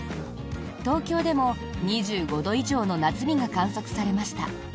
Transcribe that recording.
東京でも２５度以上の夏日が観測されました。